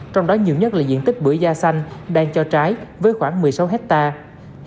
trong đó nhiều nhất là diện tích bưởi da xanh đang cho trái với khoảng một mươi sáu hectare